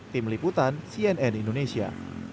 tim liputan cnn indonesia